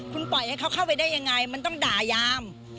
คุณปล่อยให้เขาเข้าไปได้ยังไงมันต้องด่ายาม